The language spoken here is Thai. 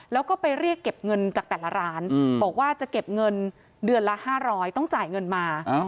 แล้วก็ไปเรียกเก็บเงินจากแต่ละร้านบอกว่าจะเก็บเงินเดือนละ๕๐๐ต้องจ่ายเงินมา